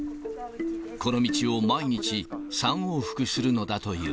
この道を毎日３往復するのだという。